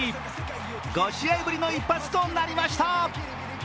５試合ぶりの一発となりました。